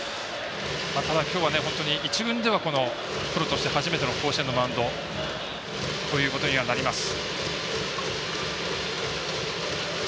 ただ、きょうは本当に１軍ではプロとして初めての甲子園のマウンドということにはなります。